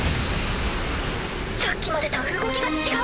さっきまでと動きが違う。